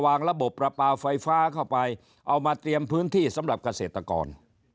ระบบประปาไฟฟ้าเข้าไปเอามาเตรียมพื้นที่สำหรับเกษตรกร